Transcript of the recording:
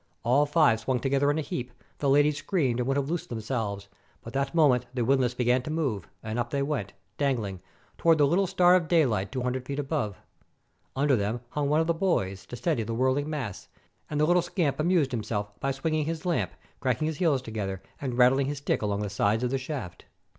All five swung together in a heap; the ladies screamed and would have loosened themselves, but that moment the windlass began to move, and up they went, dan gling, towards the little star of daylight, two hundred feet above. Under them hung one of the boys, to steady the whirling mass, and the little scamp amused himself by swinging his lamp, cracking his heels together, and rattling his stick along the sides of the shaft.